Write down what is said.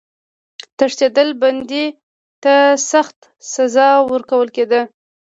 تښتېدلي بندي ته سخته سزا ورکول کېده.